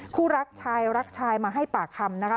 คู่รักชายรักชายมาให้ปากคำนะคะ